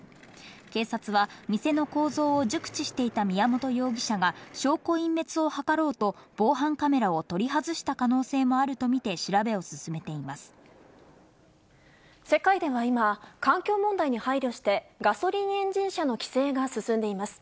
警察は店の構造を熟知していた宮本容疑者が、証拠隠滅を図ろうと防犯カメラを取り外した可能性もあると見て調世界では今、環境問題に配慮して、ガソリンエンジン車の規制が進んでいます。